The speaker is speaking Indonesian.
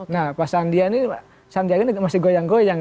nah pak sandi ini sandi agen ini masih goyang goyang